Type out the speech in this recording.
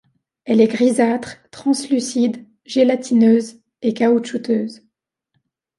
Elle est grisâtre, translucide, gélatineuse et caoutchouteuse.